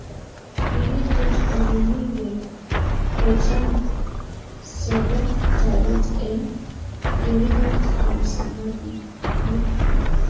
Kiki tech olimii bek kochanga sokotaret eng keribet ab samakinik.